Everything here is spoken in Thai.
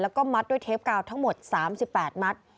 แล้วก็มัดด้วยเทปกาวทั้งหมด๓๘มัด